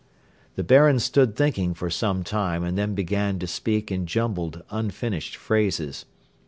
The Baron stood thinking for some time and then began to speak in jumbled, unfinished phrases.